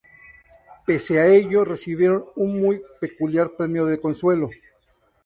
Pese a ello, recibieron un muy peculiar premio de consuelo.